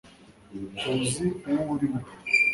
Tuzi uwo uri we